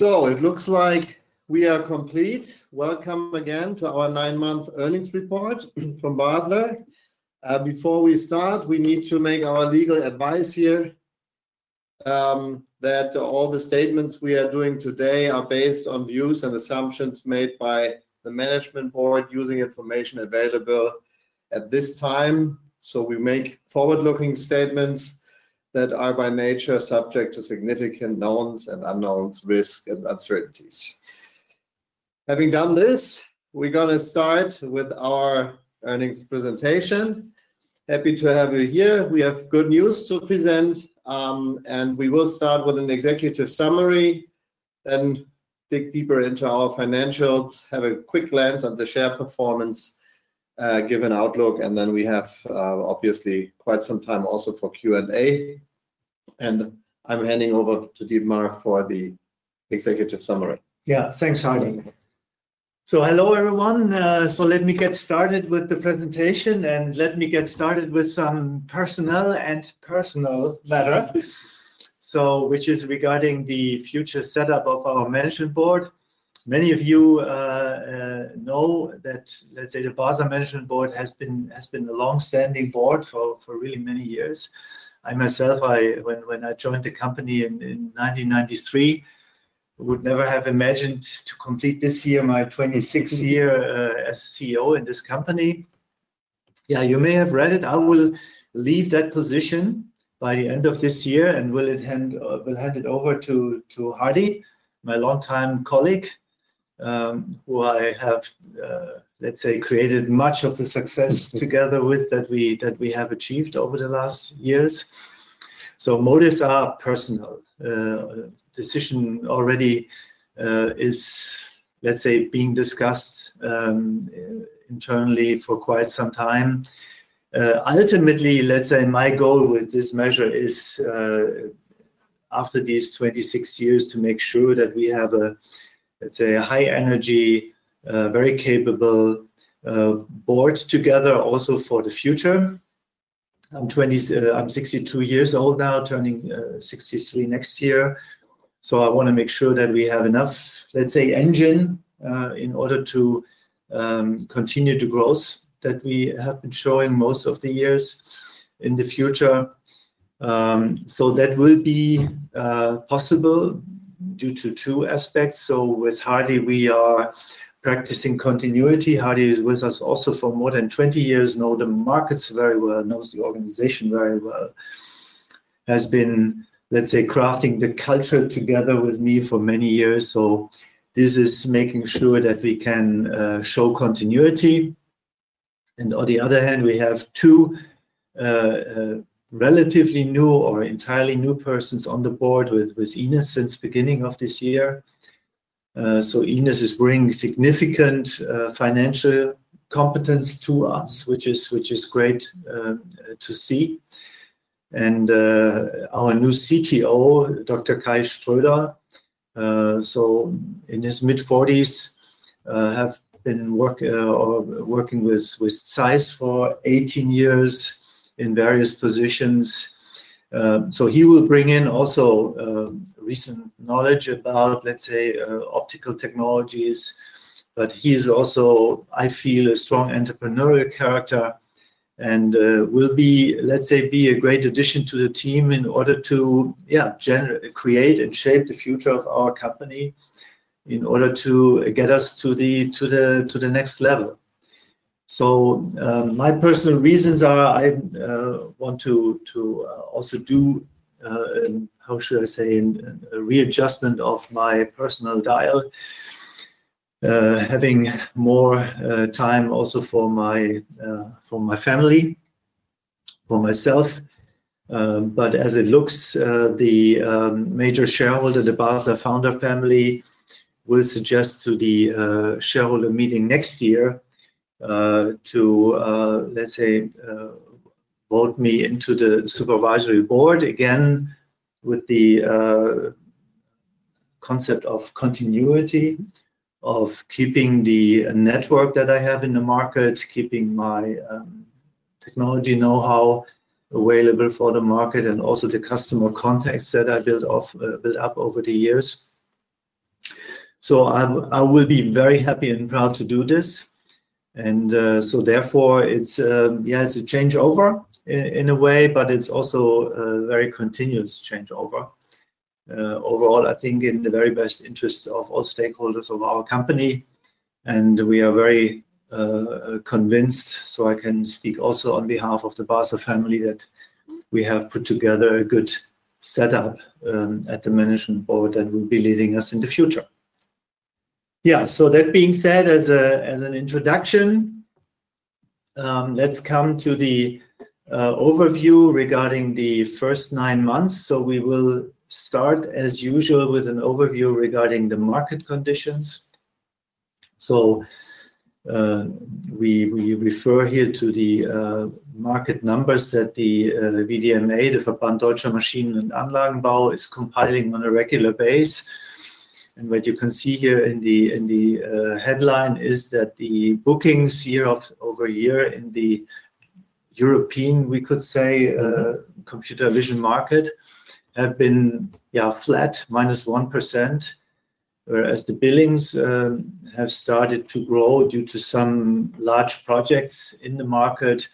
It looks like we are complete. Welcome again to our nine-month earnings report from Basler. Before we start, we need to make our legal advice here. That all the statements we are doing today are based on views and assumptions made by the management board using information available at this time. We make forward-looking statements that are by nature subject to significant knowns and unknowns, risk, and uncertainties. Having done this, we are going to start with our earnings presentation. Happy to have you here. We have good news to present. We will start with an executive summary, then dig deeper into our financials, have a quick glance at the share performance, give an outlook, and then we have obviously quite some time also for Q&A. I am handing over to Dietmar for the executive summary. Yeah, thanks, Hardy. Hello, everyone. Let me get started with the presentation, and let me get started with some personnel and personal matter, which is regarding the future setup of our management board. Many of you know that, let's say, the Basler management board has been a long-standing board for really many years. I myself, when I joined the company in 1993, would never have imagined to complete this year my 26th year as CEO in this company. Yeah, you may have read it. I will leave that position by the end of this year and will hand it over to Hardy, my longtime colleague, who I have, let's say, created much of the success together with that we have achieved over the last years. Motives are personal. The decision already is, let's say, being discussed internally for quite some time. Ultimately, let's say my goal with this measure is, after these 26 years, to make sure that we have a, let's say, a high-energy, very capable board together also for the future. I'm 62 years old now, turning 63 next year. I want to make sure that we have enough, let's say, engine in order to continue the growth that we have been showing most of the years in the future. That will be possible due to two aspects. With Hardy, we are practicing continuity. Hardy is with us also for more than 20 years, knows the markets very well, knows the organization very well, has been, let's say, crafting the culture together with me for many years. This is making sure that we can show continuity. On the other hand, we have two. Relatively new or entirely new persons on the board with Ines since the beginning of this year. Ines is bringing significant financial competence to us, which is great to see. Our new CTO, Dr. Kai Schröder, in his mid-40s, has been working with Zeiss for 18 years in various positions. He will bring in also recent knowledge about, let's say, optical technologies. He is also, I feel, a strong entrepreneurial character and will be, let's say, a great addition to the team in order to, yeah, create and shape the future of our company in order to get us to the next level. My personal reasons are, I want to also do, how should I say, a readjustment of my personal dial, having more time also for my family, for myself. But as it looks, the. Major shareholder, the Basler founder family, will suggest to the shareholder meeting next year to, let's say, vote me into the supervisory board again with the concept of continuity of keeping the network that I have in the market, keeping my technology know-how available for the market, and also the customer contacts that I built up over the years. I will be very happy and proud to do this. Therefore, yeah, it is a changeover in a way, but it is also a very continuous changeover. Overall, I think in the very best interest of all stakeholders of our company. We are very convinced, so I can speak also on behalf of the Basler family, that we have put together a good setup at the management board that will be leading us in the future. That being said, as an introduction, let's come to the. Overview regarding the first nine months. We will start, as usual, with an overview regarding the market conditions. We refer here to the market numbers that the VDMA, the Verband Deutscher Maschinen- und Anlagenbau, is compiling on a regular base. What you can see here in the headline is that the bookings year over year in the European, we could say, computer vision market have been, yeah, flat, -1%. Whereas the billings have started to grow due to some large projects in the market,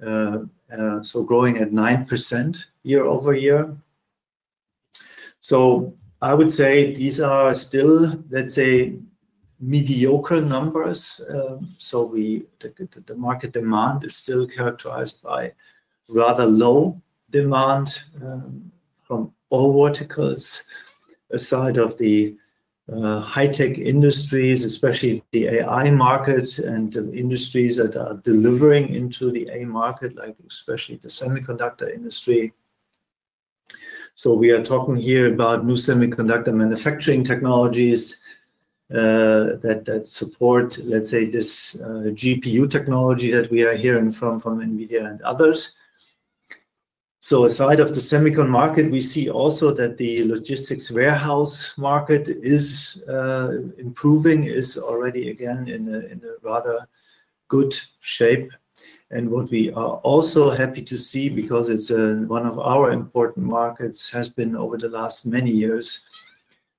growing at 9% year over year. I would say these are still, let's say, mediocre numbers. The market demand is still characterized by rather low demand from all verticals, aside of the high-tech industries, especially the AI market and the industries that are delivering into the AI market, like especially the semiconductor industry. We are talking here about new semiconductor manufacturing technologies that support, let's say, this GPU technology that we are hearing from NVIDIA and others. Aside of the semiconductor market, we see also that the logistics warehouse market is improving, is already again in a rather good shape. What we are also happy to see, because it is one of our important markets, has been over the last many years,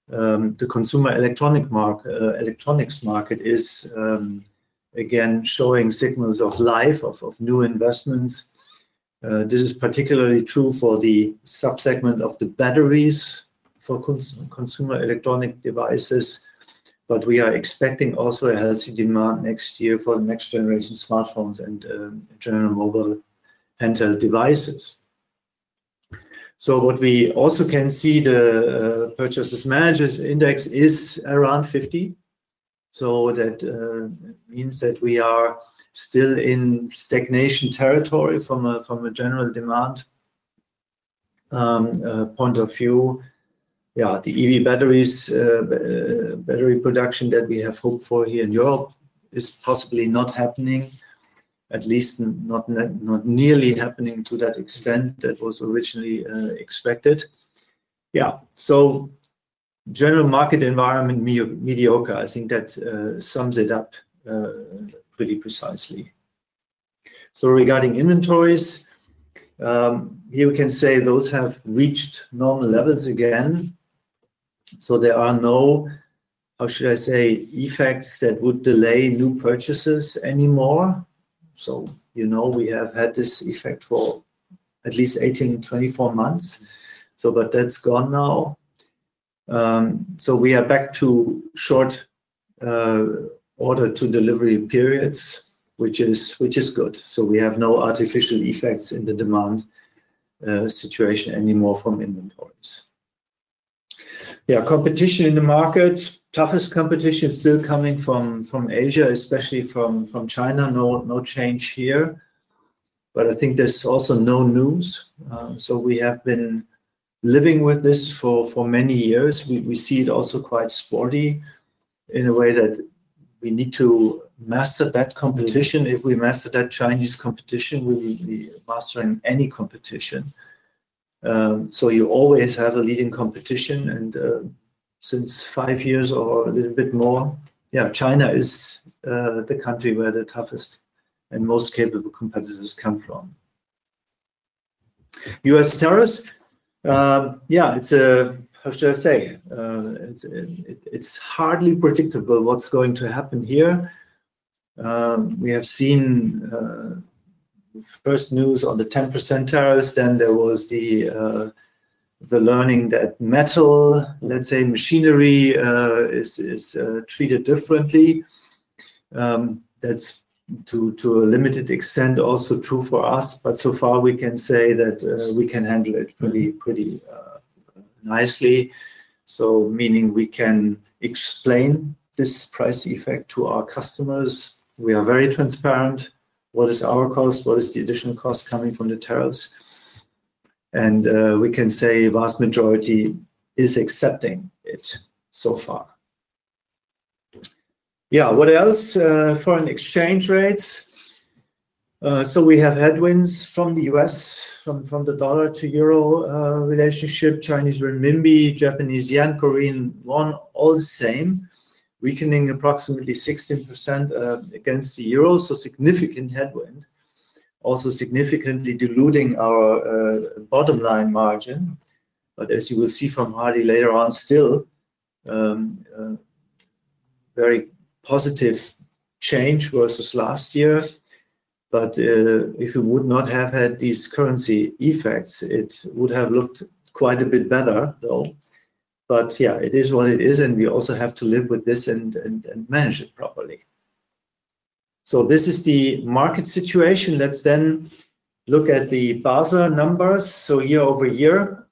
the consumer electronics market is again showing signals of life, of new investments. This is particularly true for the subsegment of the batteries for consumer electronic devices. We are expecting also a healthy demand next year for the next generation smartphones and general mobile handheld devices. What we also can see, the purchasing managers index is around 50. That means that we are still in stagnation territory from a general demand point of view. Yeah, the EV batteries. Production that we have hoped for here in Europe is possibly not happening, at least not nearly happening to that extent that was originally expected. Yeah, so. General market environment mediocre. I think that sums it up. Pretty precisely. Regarding inventories, here we can say those have reached normal levels again. There are no, how should I say, effects that would delay new purchases anymore. We have had this effect for at least 18 months-24 months, but that's gone now. We are back to short order-to-delivery periods, which is good. We have no artificial effects in the demand situation anymore from inventories. Yeah, competition in the market, toughest competition still coming from Asia, especially from China. No change here. I think there's also no news. We have been living with this for many years. We see it also quite sporty in a way that we need to master that competition. If we master that Chinese competition, we will be mastering any competition. You always have a leading competition. Since five years or a little bit more, yeah, China is the country where the toughest and most capable competitors come from. U.S. tariffs, yeah, how should I say, it's hardly predictable what's going to happen here. We have seen first news on the 10% tariffs. Then there was the learning that metal, let's say, machinery is treated differently. That's to a limited extent also true for us. So far, we can say that we can handle it pretty nicely. Meaning we can explain this price effect to our customers. We are very transparent. What is our cost? What is the additional cost coming from the tariffs? We can say the vast majority is accepting it so far. Yeah, what else? Foreign exchange rates. We have headwinds from the U.S., from the dollar to euro relationship, Chinese renminbi, Japanese yen, Korean won, all the same, weakening approximately 16% against the euro. Significant headwind. Also significantly diluting our bottom line margin. As you will see from Hardy later on, still very positive change versus last year. If we would not have had these currency effects, it would have looked quite a bit better, though. Yeah, it is what it is. We also have to live with this and manage it properly. This is the market situation. Let's then look at the Basler numbers. Year over year,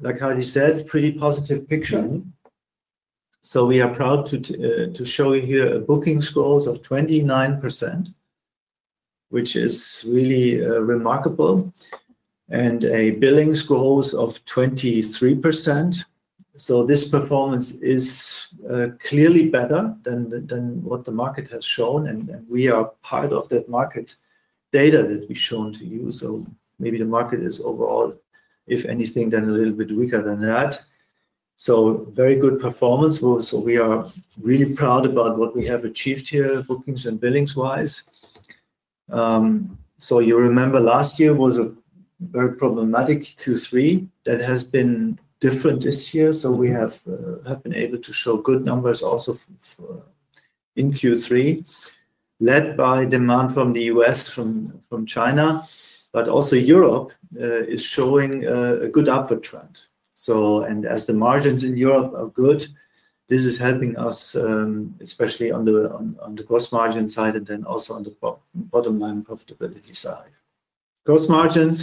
like Hardy said, pretty positive picture. We are proud to show you here a bookings growth of 29%, which is really remarkable. A billings growth of 23%. This performance is clearly better than what the market has shown. We are part of that market data that we have shown to you. Maybe the market is overall, if anything, then a little bit weaker than that. Very good performance. We are really proud about what we have achieved here, bookings and billings wise. You remember last year was a very problematic Q3. That has been different this year. We have been able to show good numbers also in Q3, led by demand from the US, from China, but also Europe is showing a good upward trend. As the margins in Europe are good, this is helping us, especially on the gross margin side and then also on the bottom line profitability side. Gross margins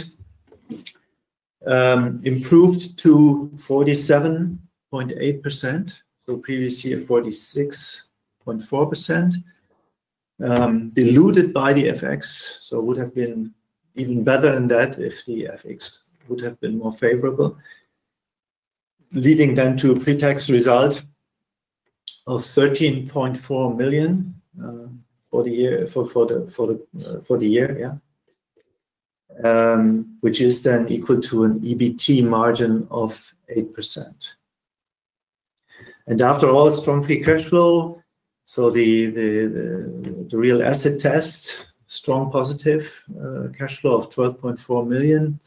improved to 47.8%. Previous year 46.4%. Diluted by the FX. It would have been even better than that if the FX would have been more favorable. Leading then to a pre-tax result of 13.4 million for the year, which is then equal to an EBT margin of 8%. After all, strong free cash flow. The real asset test, strong positive cash flow of 12.4 million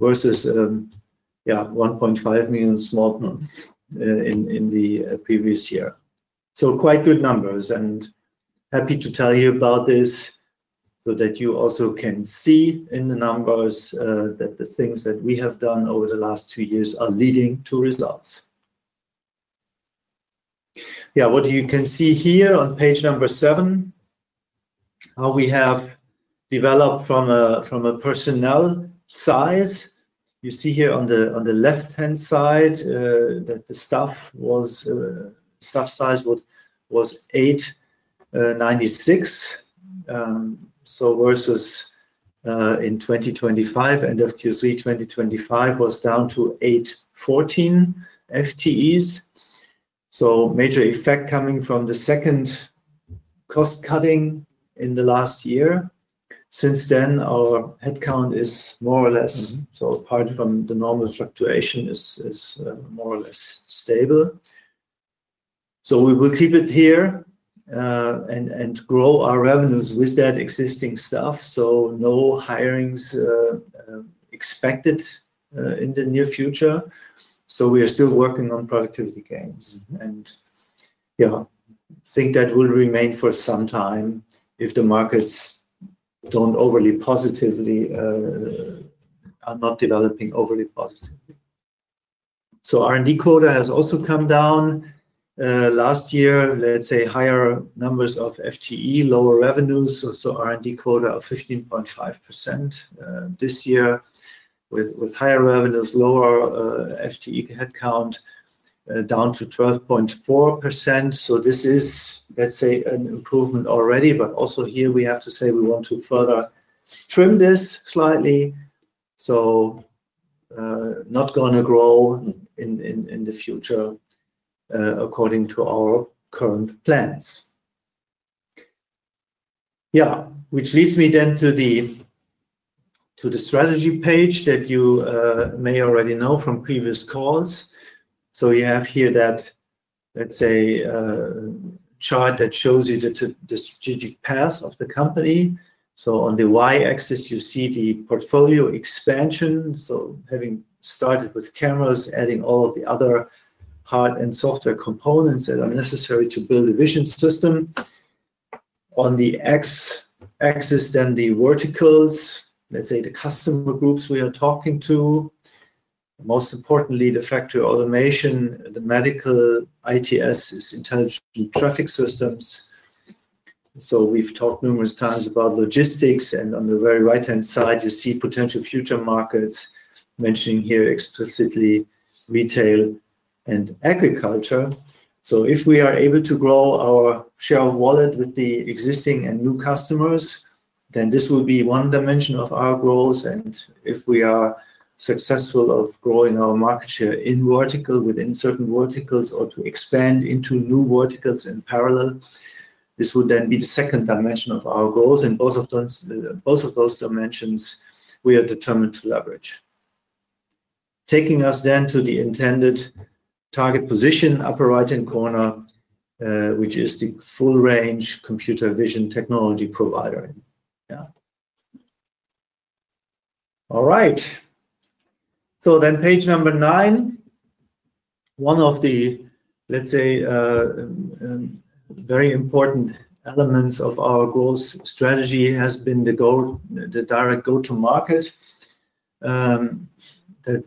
versus 1.5 million small in the previous year. Quite good numbers, and happy to tell you about this so that you also can see in the numbers that the things that we have done over the last two years are leading to results. What you can see here on page number seven, how we have developed from a personnel size. You see here on the left-hand side that the staff size was 896. Versus in 2025, end of Q3 2025, was down to 814 FTEs. Major effect coming from the second. Cost cutting in the last year. Since then, our headcount is more or less, apart from the normal fluctuation, more or less stable. We will keep it here and grow our revenues with that existing staff. No hirings expected in the near future. We are still working on productivity gains. Yeah, I think that will remain for some time if the markets are not developing overly positively. R&D quota has also come down. Last year, higher numbers of FTE, lower revenues, so R&D quota of 15.5%. This year, with higher revenues, lower FTE headcount, down to 12.4%. This is an improvement already, but also here, we have to say we want to further trim this slightly. Not going to grow in the future. According to our current plans. Yeah, which leads me then to the strategy page that you may already know from previous calls. You have here that, let's say, chart that shows you the strategic path of the company. On the Y axis, you see the portfolio expansion. Having started with cameras, adding all of the other hard and software components that are necessary to build a vision system. On the X axis, then the verticals, let's say the customer groups we are talking to. Most importantly, the factory automation, the medical ITS, is intelligent traffic systems. We've talked numerous times about logistics. On the very right-hand side, you see potential future markets, mentioning here explicitly retail and agriculture. If we are able to grow our share of wallet with the existing and new customers, then this will be one dimension of our growth. If we are successful in growing our market share in vertical, within certain verticals, or to expand into new verticals in parallel, this would then be the second dimension of our goals. Both of those dimensions, we are determined to leverage, taking us then to the intended target position, upper right-hand corner, which is the full-range computer vision technology provider. Yeah. All right. Page number nine. One of the, let's say, very important elements of our growth strategy has been the direct go-to-market. That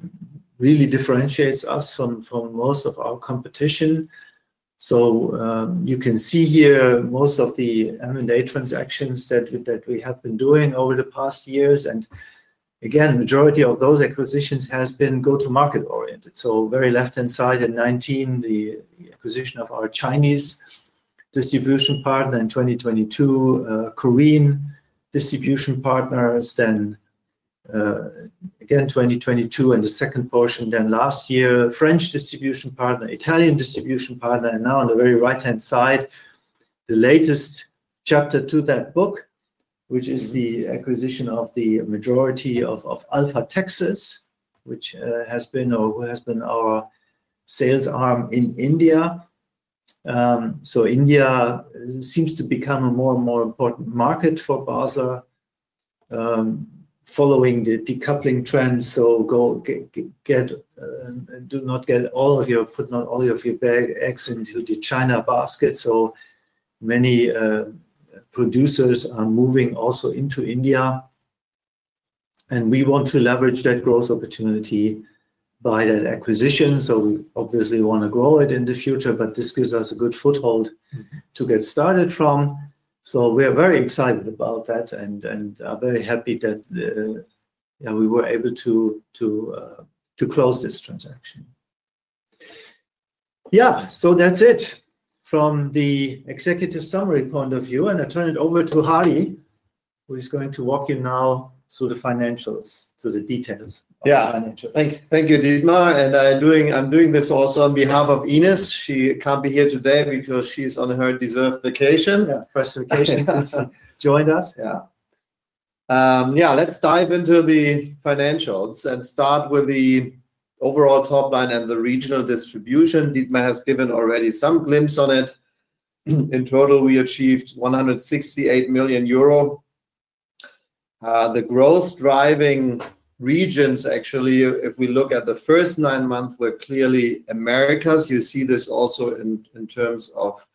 really differentiates us from most of our competition. You can see here most of the M&A transactions that we have been doing over the past years. Again, the majority of those acquisitions has been go-to-market oriented. Very left-hand side in 2019, the acquisition of our Chinese distribution partner, in 2022, Korean distribution partners, then. Again, 2022, and the second portion then last year, French distribution partner, Italian distribution partner. Now on the very right-hand side, the latest chapter to that book, which is the acquisition of the majority of Alpha Texas, which has been or has been our sales arm in India. India seems to become a more and more important market for Basler. Following the decoupling trend. Do not get all of your, put not all of your bags into the China basket. Many producers are moving also into India. We want to leverage that growth opportunity by that acquisition. We obviously want to grow it in the future, but this gives us a good foothold to get started from. We are very excited about that and are very happy that, yeah, we were able to close this transaction. Yeah, so that's it from the executive summary point of view. I turn it over to Hardy, who is going to walk you now through the financials, through the details of the financials. Yeah, thank you, Dietmar. I'm doing this also on behalf of Ines. She can't be here today because she's on her deserved vacation, fresh vacation, since she joined us. Yeah. Yeah, let's dive into the financials and start with the overall top line and the regional distribution. Dietmar has given already some glimpse on it. In total, we achieved 168 million euro. The growth driving regions, actually, if we look at the first nine months, were clearly Americas. You see this also in terms of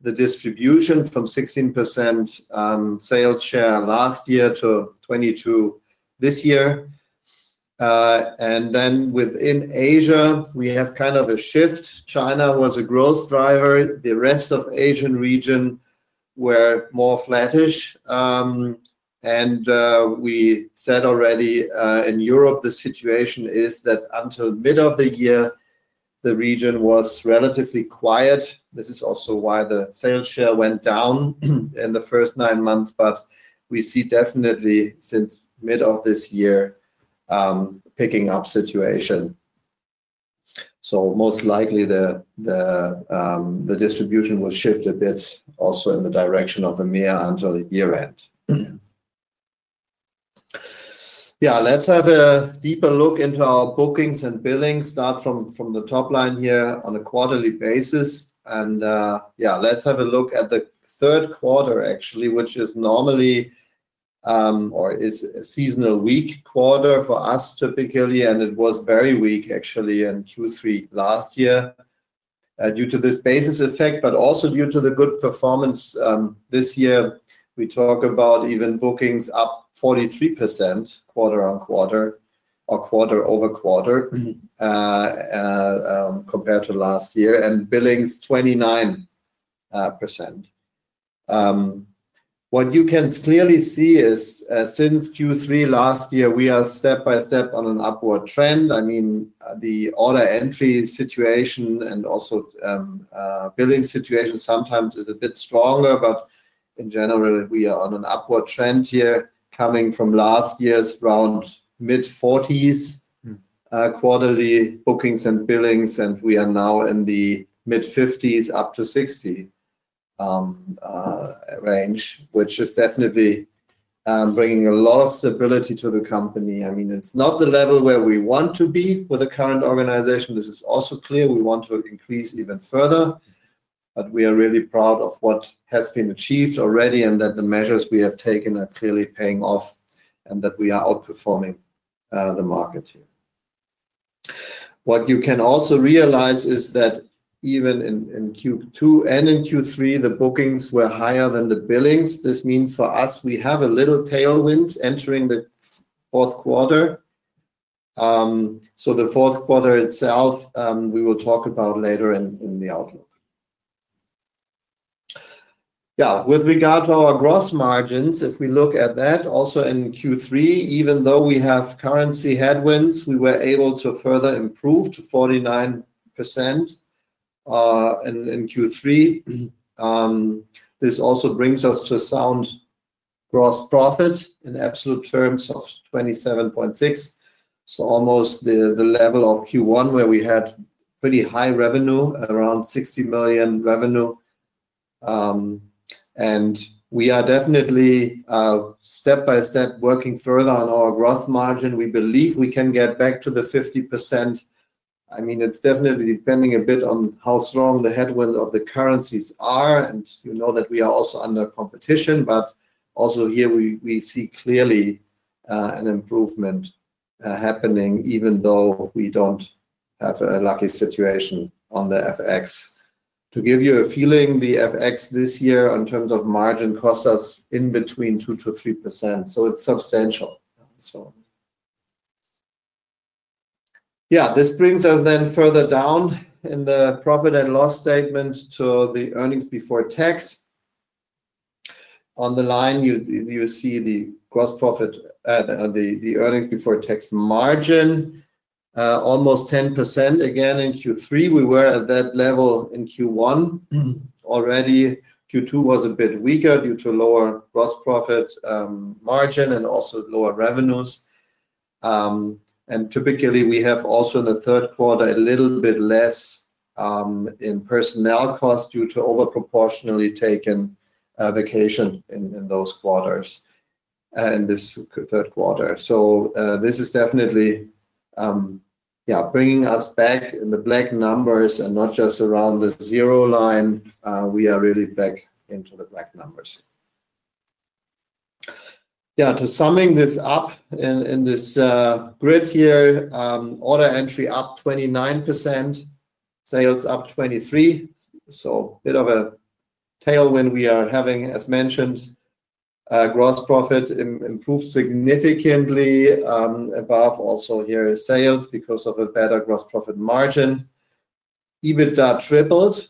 the distribution from 16% sales share last year to 22% this year. Then within Asia, we have kind of a shift. China was a growth driver. The rest of the Asian region were more flattish. We said already in Europe, the situation is that until mid of the year, the region was relatively quiet. This is also why the sales share went down in the first nine months. We see definitely since mid of this year picking up situation. Most likely, the distribution will shift a bit also in the direction of EMEA until year-end. Let's have a deeper look into our bookings and billing. Start from the top line here on a quarterly basis. Let's have a look at the third quarter, actually, which is normally or is a seasonal weak quarter for us typically. It was very weak, actually, in Q3 last year. Due to this basis effect, but also due to the good performance this year, we talk about even bookings up 43% quarter on quarter or quarter over quarter. Compared to last year. And billings, 29%. What you can clearly see is since Q3 last year, we are step by step on an upward trend. I mean, the order entry situation and also billing situation sometimes is a bit stronger. In general, we are on an upward trend here coming from last year's round mid-40s quarterly bookings and billings. We are now in the mid-50s up to 60 range, which is definitely bringing a lot of stability to the company. I mean, it's not the level where we want to be with the current organization. This is also clear. We want to increase even further. We are really proud of what has been achieved already and that the measures we have taken are clearly paying off and that we are outperforming the market here. What you can also realize is that even in Q2 and in Q3, the bookings were higher than the billings. This means for us, we have a little tailwind entering the fourth quarter. The fourth quarter itself, we will talk about later in the outlook. Yeah, with regard to our gross margins, if we look at that also in Q3, even though we have currency headwinds, we were able to further improve to 49%. In Q3, this also brings us to sound gross profit in absolute terms of 27.6 million. So almost the level of Q1 where we had pretty high revenue, around 60 million revenue. We are definitely step by step working further on our gross margin. We believe we can get back to the 50%. I mean, it's definitely depending a bit on how strong the headwinds of the currencies are. And you know that we are also under competition. But also here, we see clearly. An improvement. Happening, even though we don't have a lucky situation on the FX. To give you a feeling, the FX this year in terms of margin costs us in between 2%-3%. So it's substantial. Yeah, this brings us then further down in the profit and loss statement to the earnings before tax. On the line, you see the gross profit. The earnings before tax margin, almost 10%. Again, in Q3, we were at that level in Q1. Already, Q2 was a bit weaker due to lower gross profit margin and also lower revenues. Typically, we have also in the third quarter a little bit less in personnel costs due to overproportionally taken vacation in those quarters. In this third quarter, this is definitely bringing us back in the black numbers and not just around the zero line. We are really back into the black numbers. To summing this up in this grid here, order entry up 29%. Sales up 23%. A bit of a tailwind we are having, as mentioned. Gross profit improved significantly above also here sales because of a better gross profit margin. EBITDA tripled.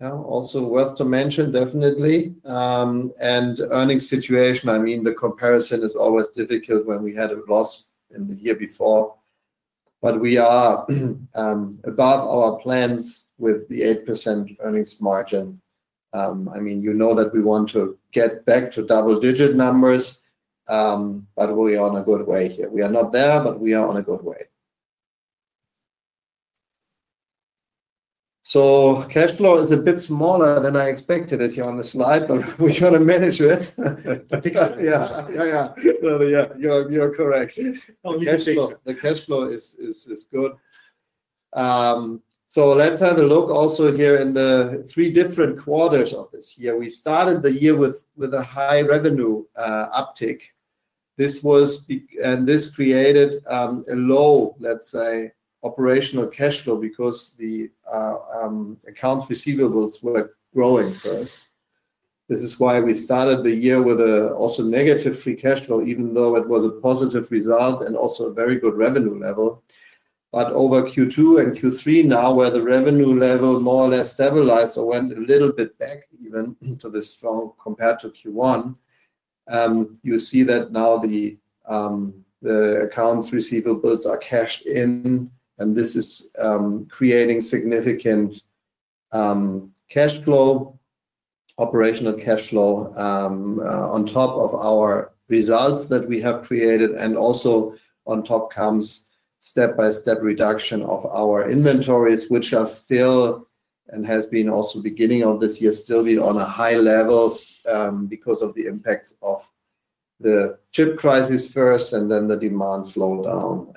Also worth to mention, definitely. Earnings situation, I mean, the comparison is always difficult when we had a loss in the year before. We are above our plans with the 8% earnings margin. I mean, you know that we want to get back to double-digit numbers. We are on a good way here. We are not there, but we are on a good way. Cash flow is a bit smaller than I expected it here on the slide, but we're going to manage it. Yeah, you're correct. The cash flow is good. Let's have a look also here in the three different quarters of this year. We started the year with a high revenue uptick. This created a low, let's say, operational cash flow because the accounts receivables were growing first. This is why we started the year with also negative free cash flow, even though it was a positive result and also a very good revenue level. Over Q2 and Q3 now, where the revenue level more or less stabilized or went a little bit back even to the strong compared to Q1. You see that now the accounts receivables are cashed in. This is creating significant cash flow, operational cash flow, on top of our results that we have created. Also on top comes step-by-step reduction of our inventories, which are still, and has been also beginning of this year, still be on a high level because of the impacts of the chip crisis first and then the demand slowed down.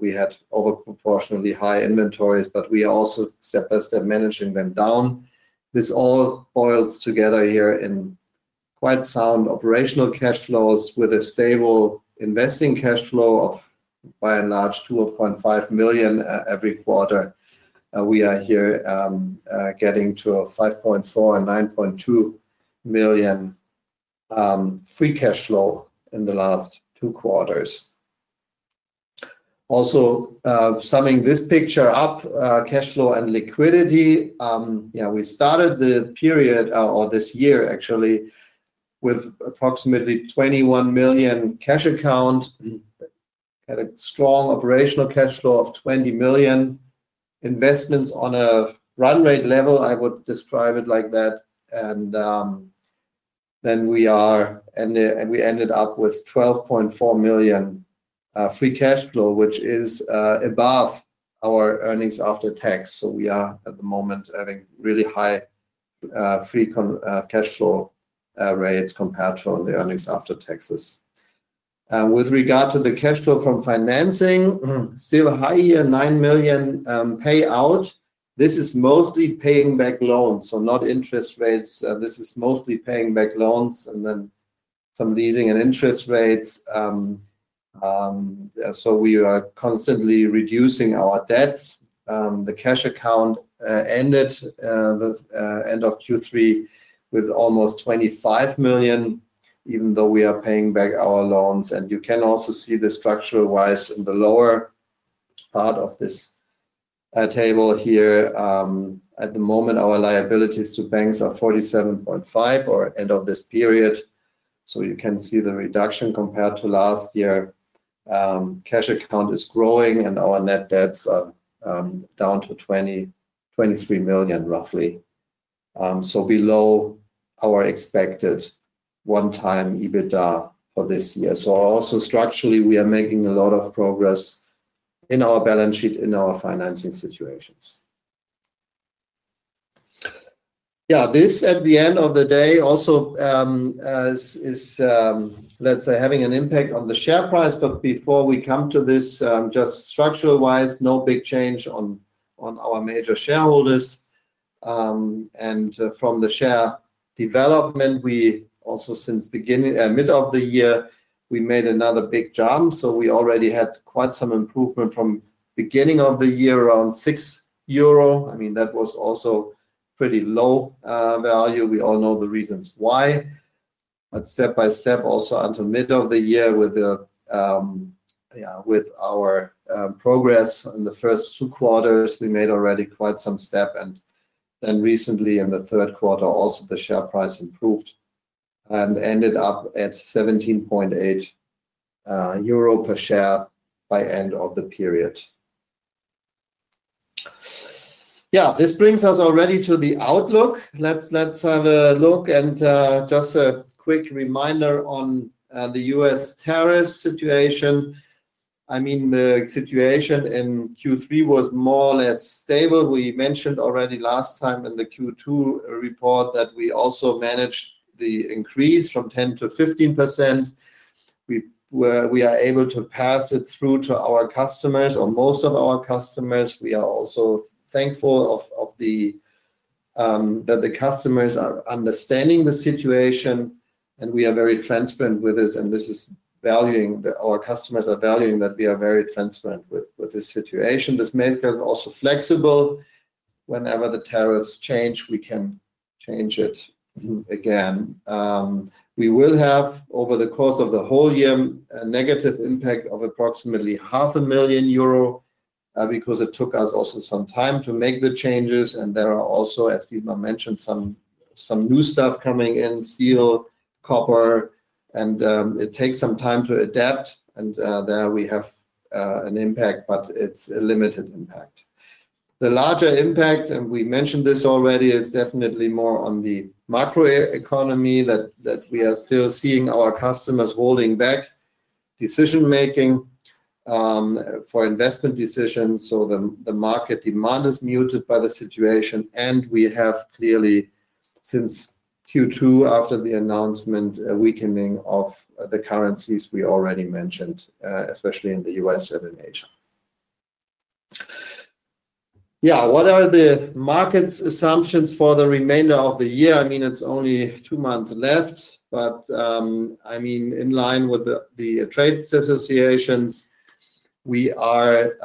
We had overproportionally high inventories, but we are also step-by-step managing them down. This all boils together here in quite sound operational cash flows with a stable investing cash flow of by and large 2.5 million every quarter. We are here getting to 5.4 million and 9.2 million free cash flow in the last two quarters. Also, summing this picture up, cash flow and liquidity. Yeah, we started the period or this year actually with approximately 21 million cash account. Had a strong operational cash flow of 20 million. Investments on a run rate level, I would describe it like that. Then we are. We ended up with 12.4 million free cash flow, which is above our earnings after tax. We are at the moment having really high free cash flow rates compared to the earnings after taxes. With regard to the cash flow from financing, still high year, 9 million payout. This is mostly paying back loans, so not interest rates. This is mostly paying back loans and then some leasing and interest rates. We are constantly reducing our debts. The cash account ended the end of Q3 with almost 25 million, even though we are paying back our loans. You can also see the structure-wise in the lower. Part of this. Table here. At the moment, our liabilities to banks are 47.5 million at the end of this period. You can see the reduction compared to last year. Cash account is growing and our net debts are down to 23 million, roughly. Below our expected one-time EBITDA for this year. Also structurally, we are making a lot of progress. In our balance sheet, in our financing situations. Yeah, this at the end of the day also is, let's say, having an impact on the share price. Before we come to this, just structure-wise, no big change on our major shareholders. From the share development, we also since mid of the year, we made another big jump. We already had quite some improvement from beginning of the year, around 6 euro. I mean, that was also pretty low value. We all know the reasons why. Step by step, also until mid of the year with our progress in the first two quarters, we made already quite some step. Recently, in the third quarter, also the share price improved and ended up at 17.8 euro per share by end of the period. This brings us already to the outlook. Let's have a look and just a quick reminder on the U.S. tariff situation. I mean, the situation in Q3 was more or less stable. We mentioned already last time in the Q2 report that we also managed the increase from 10% to 15%. We are able to pass it through to our customers or most of our customers. We are also thankful that the customers are understanding the situation. We are very transparent with this. This is valuing that our customers are valuing that we are very transparent with this situation. This makes us also flexible. Whenever the tariffs change, we can change it again. We will have, over the course of the whole year, a negative impact of approximately 0.5 million euro because it took us also some time to make the changes. There are also, as Dietmar mentioned, some new stuff coming in, steel, copper. It takes some time to adapt. There we have an impact, but it is a limited impact. The larger impact, and we mentioned this already, is definitely more on the macro economy that we are still seeing our customers holding back. Decision-making. For investment decisions. The market demand is muted by the situation. We have clearly. Since Q2, after the announcement, a weakening of the currencies we already mentioned, especially in the U.S. and in Asia. Yeah, what are the market's assumptions for the remainder of the year? I mean, it's only two months left. I mean, in line with the trade associations, we are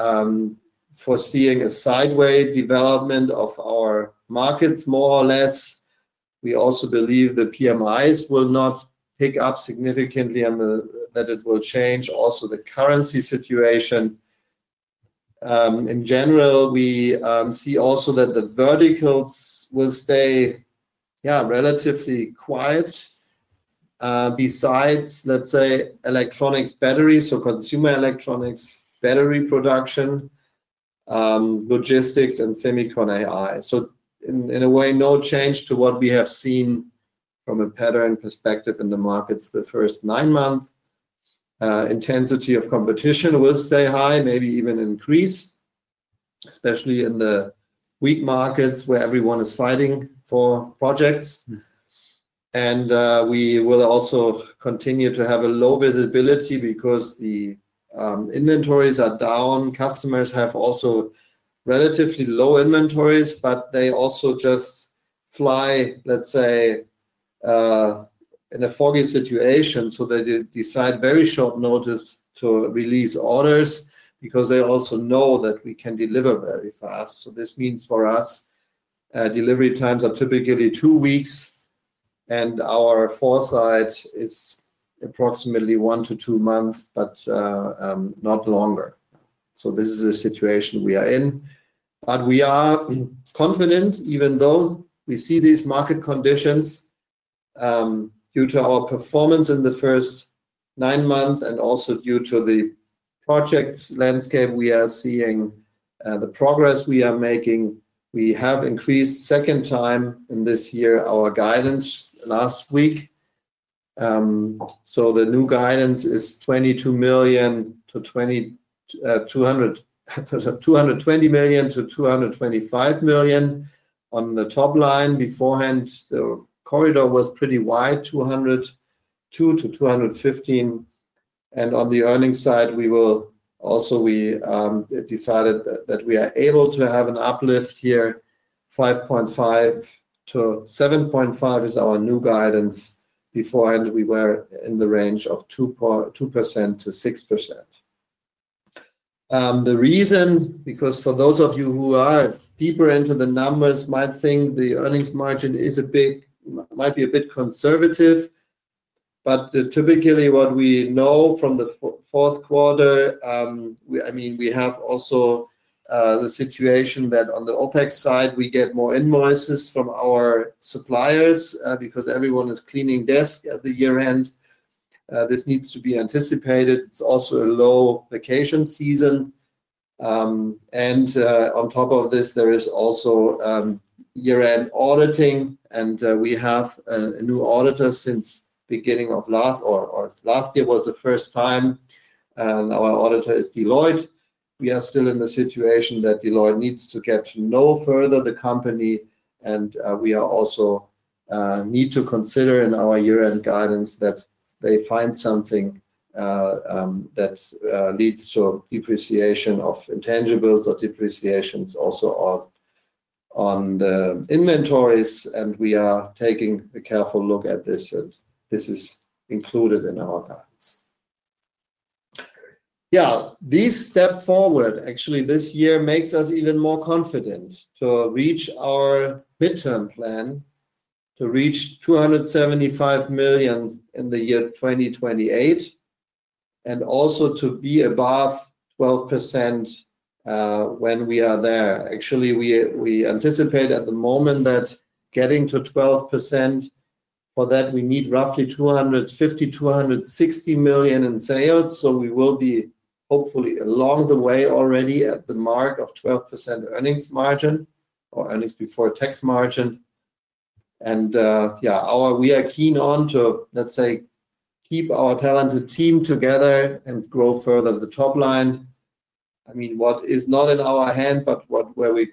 foreseeing a sideway development of our markets, more or less. We also believe the PMIs will not pick up significantly and that it will change. Also, the currency situation. In general, we see also that the verticals will stay, yeah, relatively quiet. Besides, let's say, electronics batteries, so consumer electronics battery production. Logistics, and semiconductor AI. In a way, no change to what we have seen from a pattern perspective in the markets the first nine months. Intensity of competition will stay high, maybe even increase, especially in the weak markets where everyone is fighting for projects. We will also continue to have low visibility because the inventories are down. Customers have also relatively low inventories, but they also just fly, let's say, in a foggy situation. They decide at very short notice to release orders because they also know that we can deliver very fast. This means for us delivery times are typically two weeks, and our foresight is approximately one to two months, but not longer. This is the situation we are in. We are confident, even though we see these market conditions. Due to our performance in the first nine months and also due to the project landscape we are seeing, the progress we are making, we have increased a second time in this year our guidance last week. The new guidance is 220 million-225 million. On the top line beforehand, the corridor was pretty wide, 202-215. On the earnings side, we also decided that we are able to have an uplift here, 5.5-7.5 is our new guidance. Before, we were in the range of 2%-6%. The reason, because for those of you who are deeper into the numbers, might think the earnings margin is a bit, might be a bit conservative. Typically, what we know from the fourth quarter, we have also the situation that on the OpEx side, we get more invoices from our suppliers because everyone is cleaning desk at the year-end. This needs to be anticipated. It is also a low vacation season. On top of this, there is also year-end auditing. We have a new auditor since beginning of last or last year was the first time. Our auditor is Deloitte. We are still in the situation that Deloitte needs to get to know further the company. We also need to consider in our year-end guidance that they find something that leads to depreciation of intangibles or depreciations also on the inventories. We are taking a careful look at this. This is included in our guidance. This step forward, actually, this year makes us even more confident to reach our midterm plan to reach 275 million in the year 2028 and also to be above 12% when we are there. Actually, we anticipate at the moment that getting to 12%, for that, we need roughly 250 million-260 million in sales. We will be hopefully along the way already at the mark of 12% earnings margin or earnings before tax margin. Yeah, we are keen on to, let's say, keep our talented team together and grow further the top line. I mean, what is not in our hand, but where we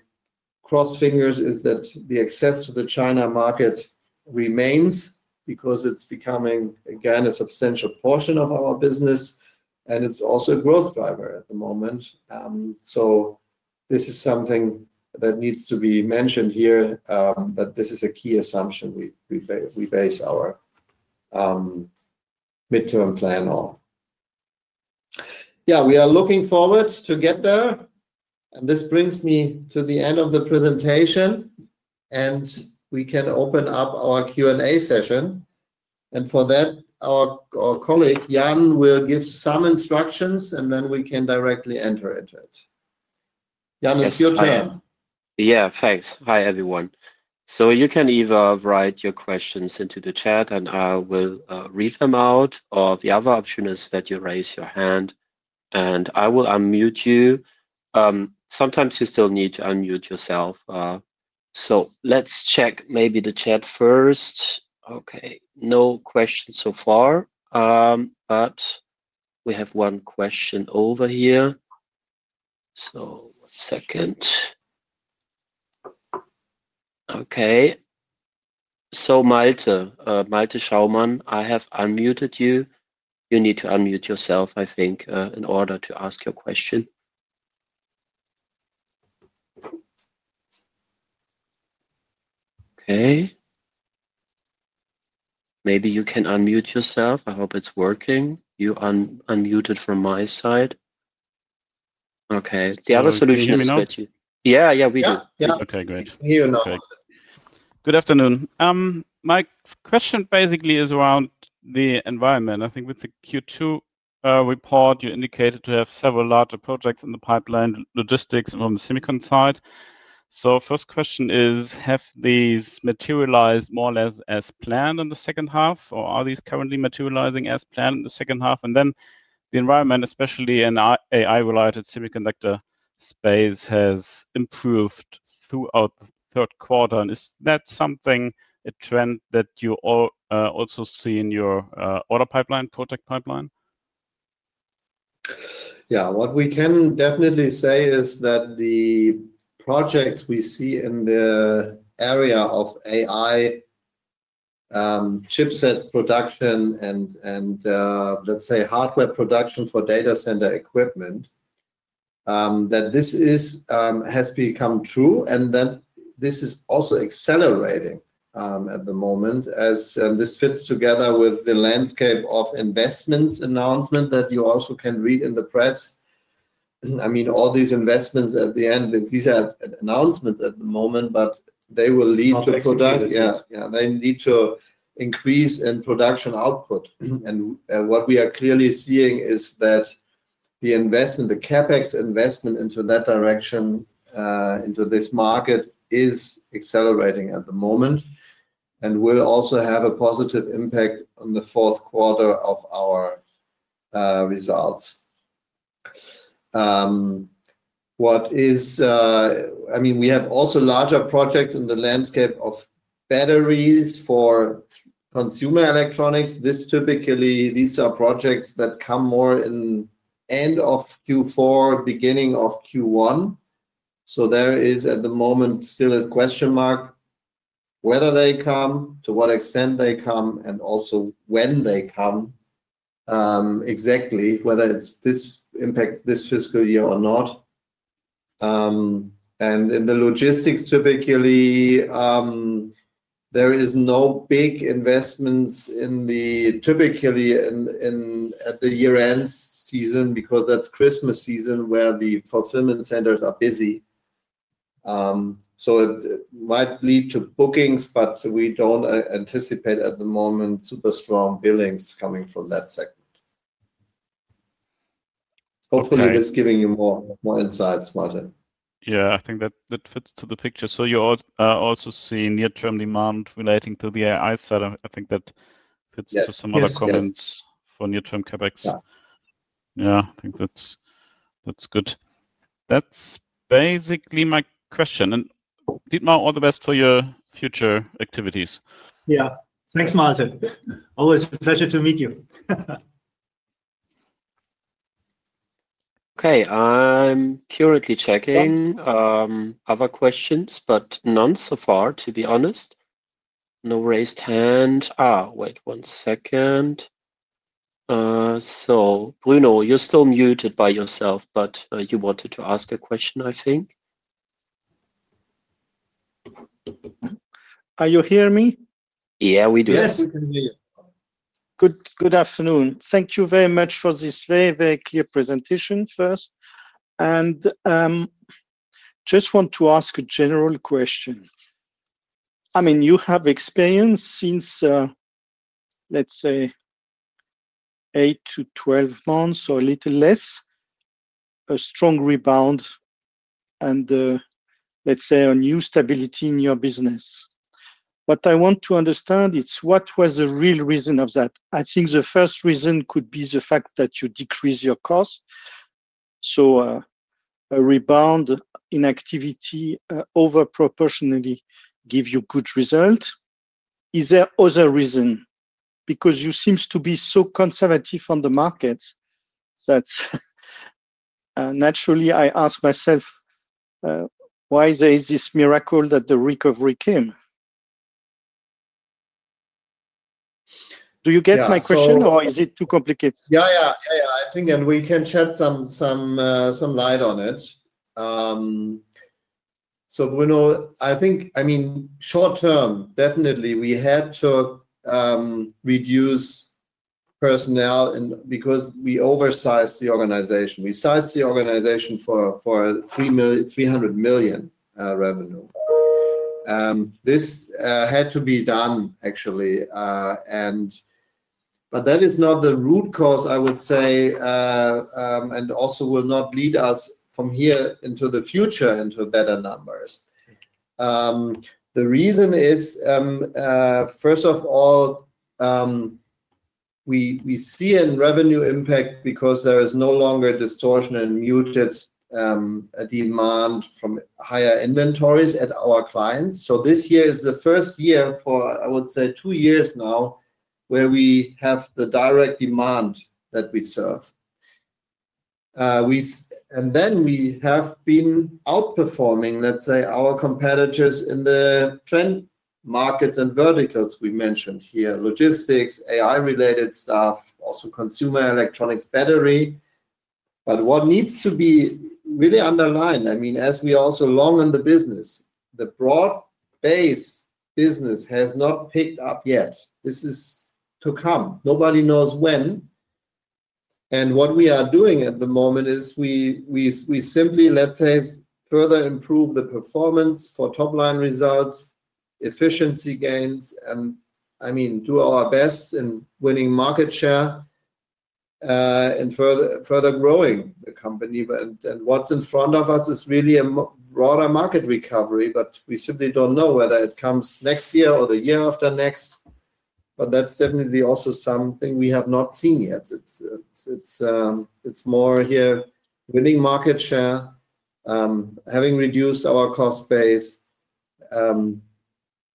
cross fingers is that the access to the China market remains because it's becoming, again, a substantial portion of our business. It's also a growth driver at the moment. This is something that needs to be mentioned here, that this is a key assumption we base our midterm plan on. Yeah, we are looking forward to get there. This brings me to the end of the presentation. We can open up our Q&A session. For that, our colleague Jan will give some instructions, and then we can directly enter into it. Jan, it's your turn. Yeah, thanks. Hi, everyone. You can either write your questions into the chat, and I will read them out. The other option is that you raise your hand. I will unmute you. Sometimes you still need to unmute yourself. Let's check maybe the chat first. Okay, no questions so far. We have one question over here. One second. Okay. Malte, Malte Schaumann, I have unmuted you. You need to unmute yourself, I think, in order to ask your question. Maybe you can unmute yourself. I hope it's working. You are unmuted from my side. The other solution is that you—yeah, yeah, we do. Okay, great. Good afternoon. My question basically is around the environment. I think with the Q2 report, you indicated to have several larger projects in the pipeline, logistics from the semiconductor side. First question is, have these materialized more or less as planned in the second half, or are these currently materializing as planned in the second half? The environment, especially in AI-related semiconductor space, has improved throughout the third quarter. Is that something, a trend that you also see in your order pipeline, project pipeline? Yeah, what we can definitely say is that the projects we see in the area of AI, chipset production, and, let's say, hardware production for data center equipment, that this has become true. This is also accelerating at the moment as this fits together with the landscape of investments announcement that you also can read in the press. I mean, all these investments at the end, these are announcements at the moment, but they will lead to production—yeah, they need to increase in production output. What we are clearly seeing is that the investment, the CapEx investment into that direction, into this market, is accelerating at the moment and will also have a positive impact on the fourth quarter of our results. What is—I mean, we have also larger projects in the landscape of batteries for consumer electronics. These are projects that come more in the end of Q4, beginning of Q1. There is at the moment still a question mark whether they come, to what extent they come, and also when they come exactly, whether this impacts this fiscal year or not. In the logistics, typically, there are no big investments at the year-end season because that is Christmas season where the fulfillment centers are busy. It might lead to bookings, but we do not anticipate at the moment super strong billings coming from that segment. Hopefully, this is giving you more insights, Malte. Yeah, I think that fits to the picture. You also see near-term demand relating to the AI side. I think that fits to some other comments for near-term CapEx. Yeah, I think that's good. That's basically my question. And Dietmar, all the best for your future activities. Yeah, thanks, Malte. Always a pleasure to meet you. Okay, I'm currently checking other questions, but none so far, to be honest. No raised hand. Wait one second. Bruno, you're still muted by yourself, but you wanted to ask a question, I think. Are you hearing me? Yeah, we do. Yes, we can hear you. Good afternoon. Thank you very much for this very, very clear presentation first. I just want to ask a general question. I mean, you have experienced since, let's say, 8 months-12 months or a little less. A strong rebound. Let's say, a new stability in your business. What I want to understand is what was the real reason of that? I think the first reason could be the fact that you decrease your cost. A rebound in activity overproportionately gives you good results. Is there another reason? Because you seem to be so conservative on the market. Naturally, I ask myself. Why is there this miracle that the recovery came? Do you get my question, or is it too complicated? Yeah, yeah, yeah, yeah. I think, and we can shed some light on it. So Bruno, I think, I mean, short term, definitely, we had to reduce personnel because we oversized the organization. We sized the organization for 300 million revenue. This had to be done, actually. But that is not the root cause, I would say. Also, will not lead us from here into the future into better numbers. The reason is, first of all, we see in revenue impact because there is no longer distortion and muted demand from higher inventories at our clients. This year is the first year for, I would say, two years now, where we have the direct demand that we serve. We have been outperforming, let's say, our competitors in the trend markets and verticals we mentioned here: logistics, AI-related stuff, also consumer electronics, battery. What needs to be really underlined, I mean, as we are also long in the business, the broad-based business has not picked up yet. This is to come. Nobody knows when. What we are doing at the moment is. We simply, let's say, further improve the performance for top-line results, efficiency gains, and I mean, do our best in winning market share. Further growing the company. What's in front of us is really a broader market recovery. We simply don't know whether it comes next year or the year after next. That's definitely also something we have not seen yet. It's more here winning market share, having reduced our cost base.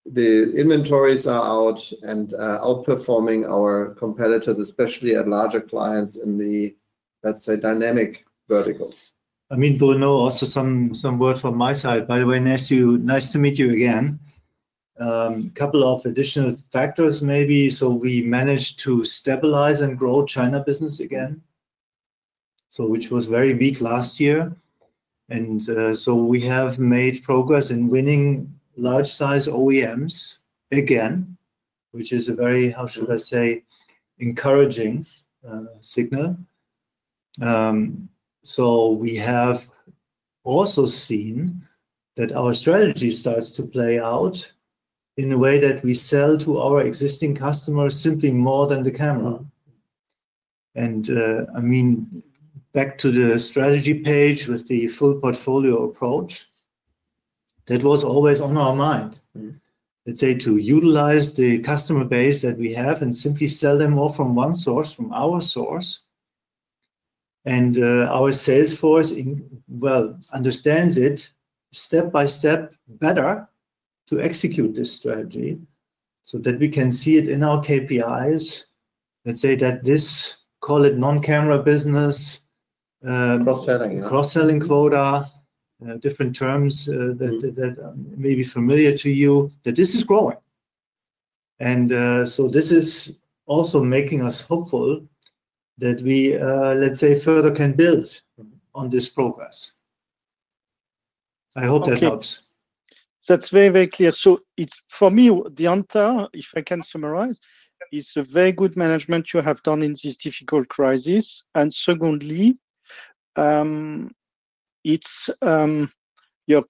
The inventories are out and outperforming our competitors, especially at larger clients in the, let's say, dynamic verticals. I mean, Bruno, also some word from my side. By the way, nice to meet you again. A couple of additional factors maybe. We managed to stabilize and grow China business again, which was very weak last year. We have made progress in winning large-sized OEMs again, which is very, how should I say, encouraging. Signal. We have also seen that our strategy starts to play out in a way that we sell to our existing customers simply more than the camera. I mean, back to the strategy page with the full portfolio approach. That was always on our mind, let's say, to utilize the customer base that we have and simply sell them more from one source, from our source. Our salesforce understands it step by step better to execute this strategy so that we can see it in our KPIs. Let's say that this, call it non-camera business, cross-selling quota, different terms that may be familiar to you, that this is growing. This is also making us hopeful that we, let's say, further can build on this progress. I hope that helps. That is very, very clear. For me, the answer, if I can summarize, is a very good management you have done in this difficult crisis. Secondly, it is your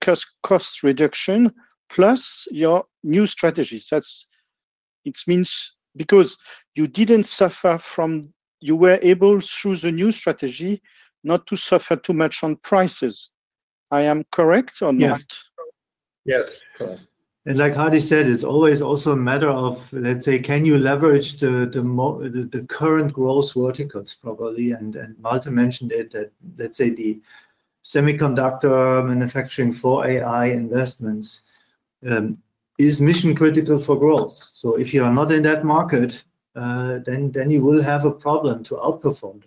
cost reduction plus your new strategy. It means because you did not suffer from, you were able through the new strategy not to suffer too much on prices. I am correct or not? Yes. Yes, correct. Like Hardy said, it is always also a matter of, let's say, can you leverage the current growth verticals probably? Malte mentioned it, that, let's say, the semiconductor manufacturing for AI investments is mission-critical for growth. If you are not in that market, then you will have a problem to outperform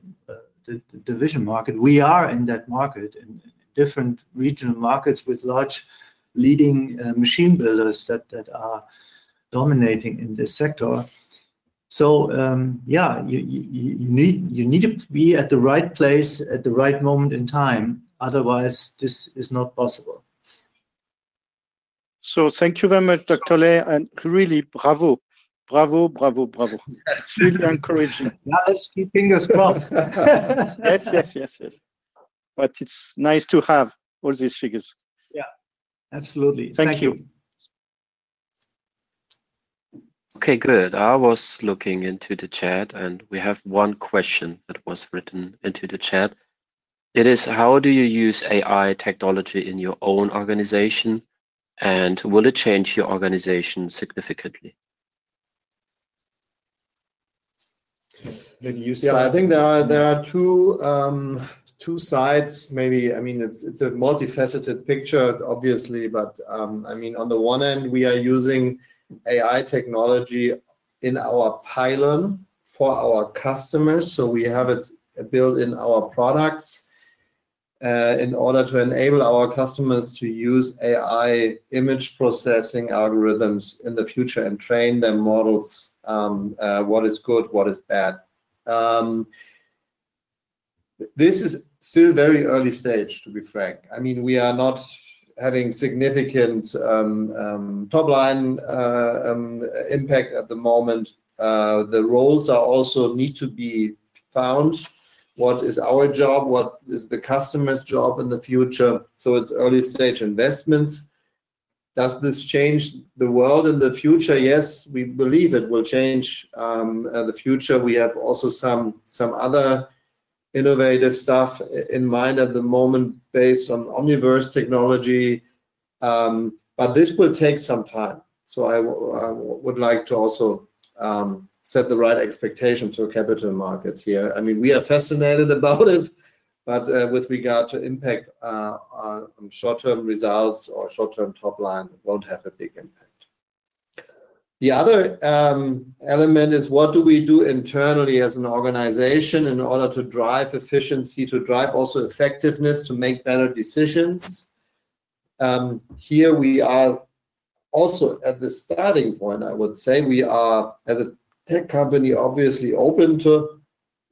the vision market. We are in that market in different regional markets with large leading machine builders that are dominating in this sector. Yeah, you need to be at the right place at the right moment in time. Otherwise, this is not possible. Thank you very much, Dr. Ley. Really, bravo. Bravo, bravo, bravo. It is really encouraging. That is keeping us close. Yes, yes, yes, yes. It is nice to have all these figures. Yeah, absolutely. Thank you. Okay, good. I was looking into the chat, and we have one question that was written into the chat. It is, how do you use AI technology in your own organization, and will it change your organization significantly? I think there are two sides. Maybe, I mean, it is a multifaceted picture, obviously, but I mean, on the one end, we are using AI technology in our pilot for our customers. We have it built in our products in order to enable our customers to use AI image processing algorithms in the future and train their models. What is good, what is bad. This is still very early stage, to be frank. I mean, we are not having significant top-line impact at the moment. The roles also need to be found. What is our job, what is the customer's job in the future. It is early-stage investments. Does this change the world in the future? Yes, we believe it will change the future. We have also some other innovative stuff in mind at the moment based on Omniverse technology. This will take some time. I would like to also set the right expectations for capital markets here. I mean, we are fascinated about it, but with regard to impact. On short-term results or short-term top-line, it won't have a big impact. The other element is what do we do internally as an organization in order to drive efficiency, to drive also effectiveness, to make better decisions. Here we are also at the starting point. I would say we are, as a tech company, obviously open to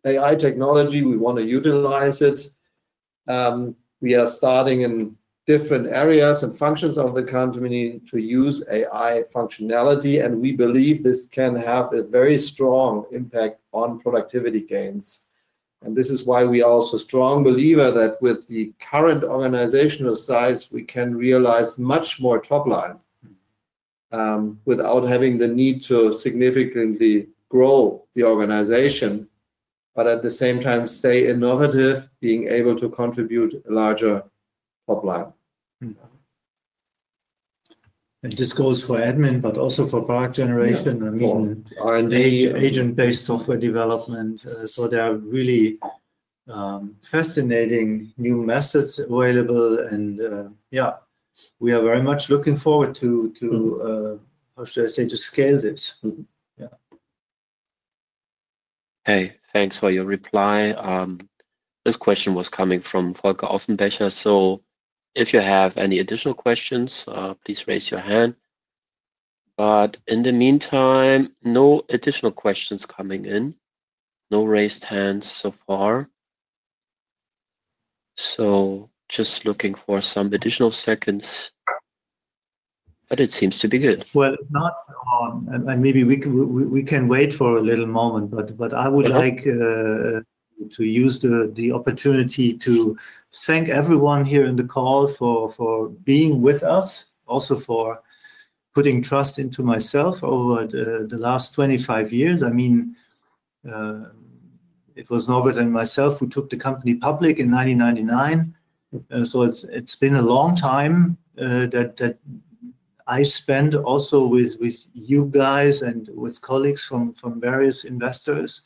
AI technology. We want to utilize it. We are starting in different areas and functions of the company to use AI functionality. We believe this can have a very strong impact on productivity gains. This is why we are also strong believers that with the current organizational size, we can realize much more top-line without having the need to significantly grow the organization, but at the same time, stay innovative, being able to contribute a larger top-line. This goes for admin, but also for product generation. I mean, agent-based software development. So there are really fascinating new methods available. And yeah, we are very much looking forward to, how should I say, to scale this. Yeah. Hey, thanks for your reply. This question was coming from [Volker Offenbacher]. If you have any additional questions, please raise your hand. In the meantime, no additional questions coming in. No raised hands so far. Just looking for some additional seconds. It seems to be good. Not. Maybe we can wait for a little moment, but I would like to use the opportunity to thank everyone here in the call for being with us, also for putting trust into myself over the last 25 years. I mean, it was Norbert and myself who took the company public in 1999. It's been a long time. That. I spend also with you guys and with colleagues from various investors.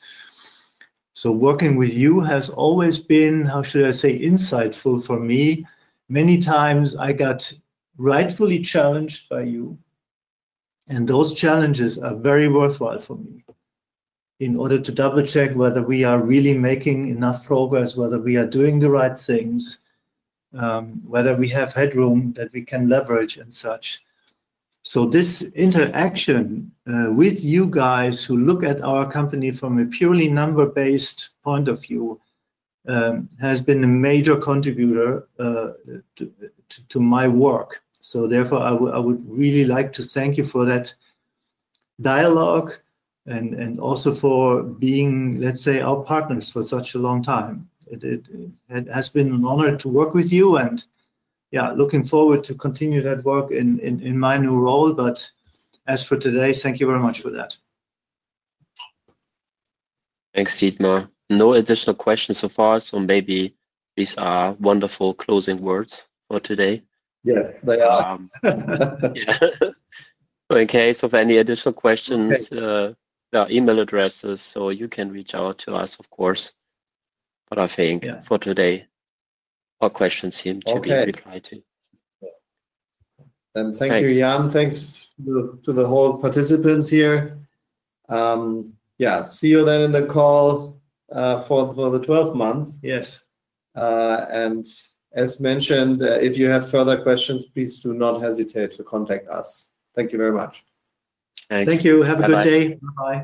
Working with you has always been, how should I say, insightful for me. Many times, I got rightfully challenged by you. Those challenges are very worthwhile for me in order to double-check whether we are really making enough progress, whether we are doing the right things, whether we have headroom that we can leverage and such. This interaction with you guys who look at our company from a purely number-based point of view has been a major contributor to my work. Therefore, I would really like to thank you for that dialogue and also for being, let's say, our partners for such a long time. It has been an honor to work with you. Yeah, looking forward to continue that work in my new role. As for today, thank you very much for that. Thanks, Dietmar. No additional questions so far. Maybe these are wonderful closing words for today. Yes, they are. Yeah. In case of any additional questions, email addresses so you can reach out to us, of course. I think for today all questions seem to be replied to. Thank you, Jan. Thanks to the whole participants here. Yeah, see you then in the call for the 12th month. Yes. As mentioned, if you have further questions, please do not hesitate to contact us. Thank you very much. Thank you. Have a good day.